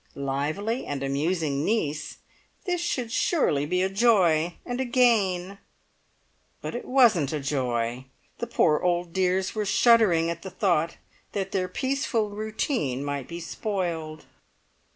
lively and amusing niece, this should surely be a joy and a gain! But it wasn't a joy. The poor old dears were shuddering at the thought that their peaceful routine might be spoiled.